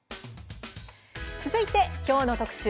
続いて、きょうの特集